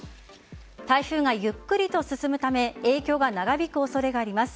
台風がゆっくりと進むため影響が長引く恐れがあります。